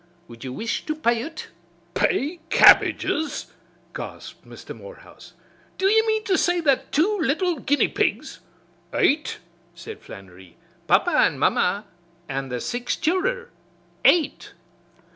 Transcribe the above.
Wud you wish to pay ut?" "Pay Cabbages !" gasped Mr. Morehouse. "Do you mean to say that two little guinea pigs " "Eight!" said Flannery. "Papa an' mamma an' the six childer. Eight!"